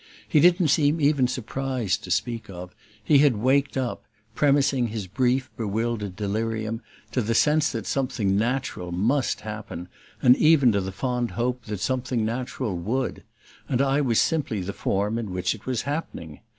He didn't seem even surprised to speak of; he had waked up premising his brief, bewildered delirium to the sense that something NATURAL must happen, and even to the fond hope that something natural WOULD; and I was simply the form in which it was happening.